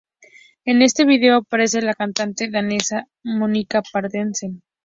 En este vídeo aparece la cantante danesa Monika Pedersen.